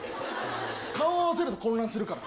顔合わせると混乱するから。